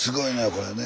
これね。